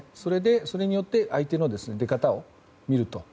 それによって相手の出方を見る。